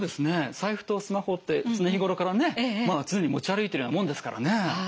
財布とスマホって常日頃からね常に持ち歩いてるようなもんですからね。